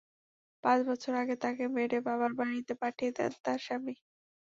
পাঁচ বছর আগে তাঁকে মেরে বাবার বাড়িতে পাঠিয়ে দেন তাঁর স্বামী।